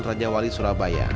jalan raja wali surabaya